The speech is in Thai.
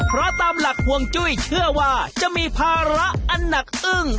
เพราะตามหลักห่วงจุ้ยเชื่อว่าจะมีภาระอันหนักอึ้ง